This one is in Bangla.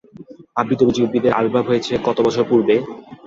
আবৃতবীজী উদ্ভিদের আবির্ভাব হয়েছে কত বছর পূর্বে?